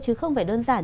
chứ không phải đơn giản